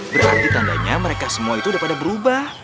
berarti tandanya mereka semua itu udah pada berubah